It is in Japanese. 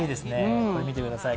これ見てください